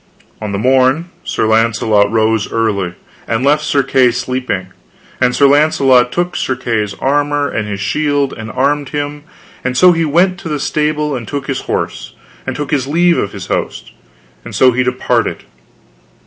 On the morn Sir Launcelot arose early, and left Sir Kay sleeping; and Sir Launcelot took Sir Kay's armor and his shield and armed him, and so he went to the stable and took his horse, and took his leave of his host, and so he departed.